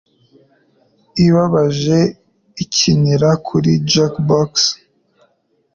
ibabaje ikinira kuri jukebox